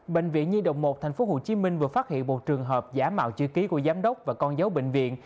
bệnh viện nhi đồng một tp hcm vừa phát hiện một trường hợp giả mạo chữ ký của giám đốc và con dấu bệnh viện